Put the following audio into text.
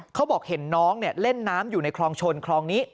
เขาบอกเห็นน้องเล่นน้ำอยู่ในคลองชนคลองนี้